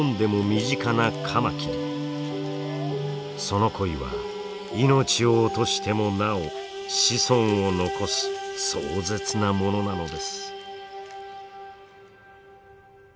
その恋は命を落としてもなお子孫を残す壮絶なものなのです。